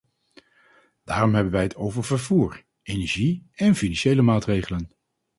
Daarom hebben wij het over vervoer, energie en financiële maatregelen.